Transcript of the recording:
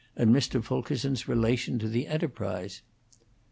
and Mr. Fulkerson's relation to the enterprise.